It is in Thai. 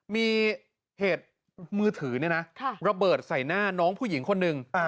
มีเหตุมือถือเนี่ยนะระเบิดใส่หน้าน้องผู้หญิงคนหนึ่ง